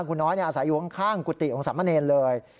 คุณน้อยอาศัยอยู่ข้างกุฏิของสามเณรเลย